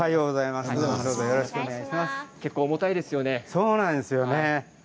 そうなんですよね